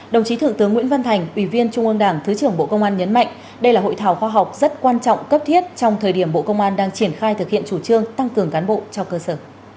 đồng chí thượng tướng nguyễn văn thành ủy viên trung ương đảng thứ trưởng bộ công an nhấn mạnh đây là hội thảo khoa học rất quan trọng cấp thiết trong thời điểm bộ công an đang triển khai thực hiện chủ trương tăng cường cán bộ cho cơ sở